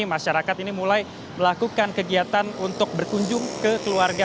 masyarakat ini mulai melakukan kegiatan untuk berkunjung ke keluarga